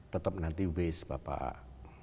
tetap nanti waste bapak